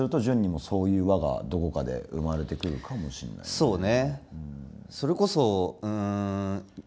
そうね。